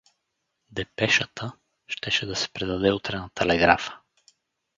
Депешата щеше да се предаде утре на телеграфа.